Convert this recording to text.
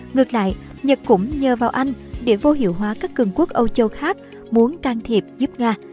ngược lại nhật cũng nhờ vào anh để vô hiệu hóa các cường quốc âu châu khác muốn can thiệp giúp nga